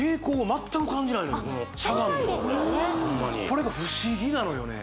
これが不思議なのよね